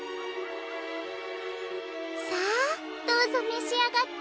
さあどうぞめしあがって。